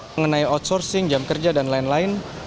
mengenai outsourcing jam kerja dan lain lain